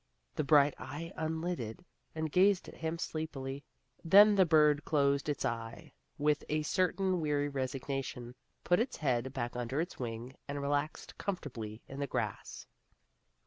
The bright eye unlidded and gazed at him sleepily. Then the bird closed its eye with a certain weary resignation, put its head back under its wing, and relaxed comfortably in the grass.